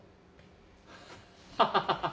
アハハハ！